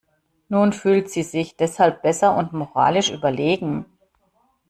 Nun fühlt sie sich deshalb besser und moralisch überlegen.